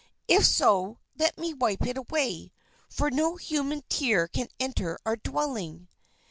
If so, let me wipe it away, for no human tear can enter our dwelling."